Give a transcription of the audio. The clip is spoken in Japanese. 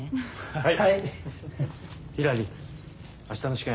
はい。